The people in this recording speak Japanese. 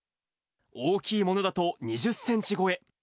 大きいものだと２０センチ超え。